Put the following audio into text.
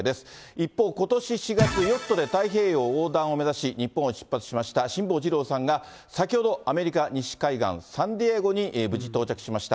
一方、ことし４月、ヨットで太平洋横断を目指し、日本を出発しました辛坊治郎さんが、先ほどアメリカ西海岸サンディエゴに無事、到着しました。